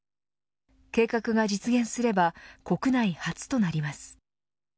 計画が実現すれば国内初となります。